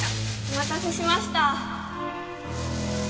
お待たせしました。